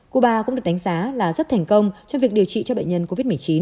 cuba cũng được đánh giá là rất thành công trong việc điều trị cho bệnh nhân covid một mươi chín